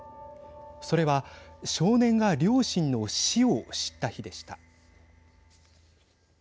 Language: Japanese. それは少年が両親の死を知った日でした。